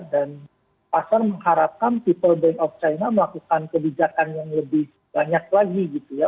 dan pasar mengharapkan people bank of china melakukan kebijakan yang lebih banyak lagi gitu ya